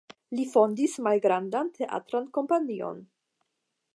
Li fondis malgrandan teatran kompanion.